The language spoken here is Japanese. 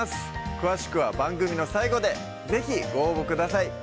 詳しくは番組の最後で是非ご応募ください